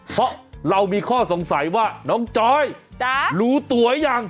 เพราะเรามีข้อสงสัยว่าน้องจอยรู้ตัวยัง